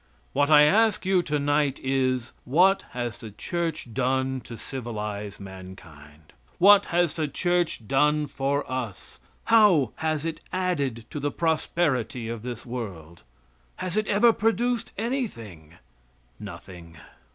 What I ask you tonight is: What has the church done to civilize mankind? What has the church done for us? How has it added to the prosperity of this world? Has it ever produced anything? Nothing.